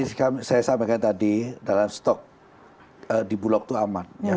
seperti saya sampaikan tadi dalam stok di bulog itu aman